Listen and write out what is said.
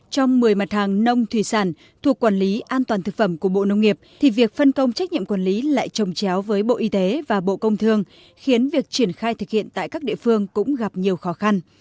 trong một mươi mặt hàng nông thủy sản thuộc quản lý an toàn thực phẩm của bộ nông nghiệp thì việc phân công trách nhiệm quản lý lại trồng chéo với bộ y tế và bộ công thương khiến việc triển khai thực hiện tại các địa phương cũng gặp nhiều khó khăn